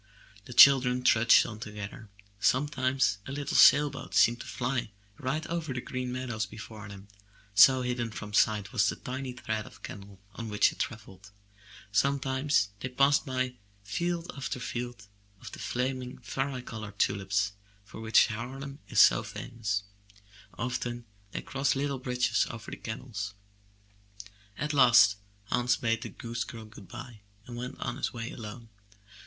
The children trudged on together. Sometimes a little sail boat seemed to fly right over the green meadows before them, so hidden from sight was the tiny thread of canal on which it travelled; sometimes they passed by field after field of the flaming, vari colored tulips for which Harlem is so famous; often they crossed little bridges over the canals. At last Hans bade the goose girl good bye and went on his way alone.